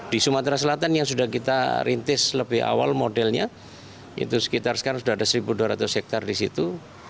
di sumatera selatan yang sudah kita rintis lebih awal modelnya itu sekitar sekarang sudah ada satu dua ratus hektare di situ